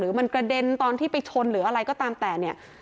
มันกระเด็นตอนที่ไปชนหรืออะไรก็ตามแต่เนี่ย